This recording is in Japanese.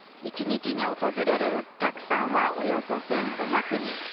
１日に訪れるお客さんはおよそ１５００人。